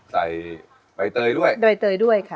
ใส่ใบเตยด้วย